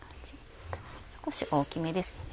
少し大きめですね。